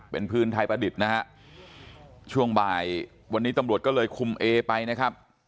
เป็นพื้นไทยประดิษฐ์นะฮะช่วงบ่ายวันนี้ตำรวจก็เลยคุมเอไปนะครับ